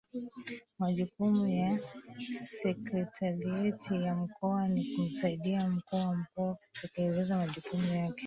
Majukumu ya Sekretarieti ya Mkoa ni kumsaidia Mkuu wa Mkoa kutekeleza majukumu yake